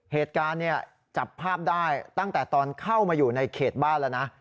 เหตุการณ์เนี่ยจับภาพได้ตั้งแต่ตอนเข้ามาอยู่ในเขตบ้านแล้วนะ